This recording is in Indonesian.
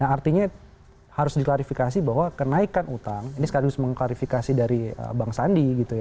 artinya harus diklarifikasi bahwa kenaikan utang ini harus mengklarifikasi dari bang sandi